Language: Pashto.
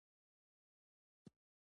افغانستان په آمو سیند باندې تکیه لري.